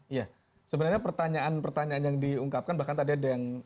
iya sebenarnya pertanyaan pertanyaan yang diungkapkan bahkan tadi ada yang